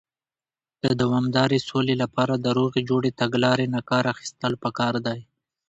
د دوامدارې سولې لپاره، د روغې جوړې تګلارې نۀ کار اخيستل پکار دی.